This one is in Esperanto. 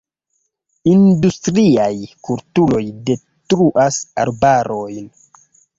Industriaj kulturoj detruas arbarojn.